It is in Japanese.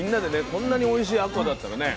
こんなにおいしいあこうだったらね